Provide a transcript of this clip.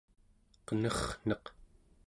qenerrneq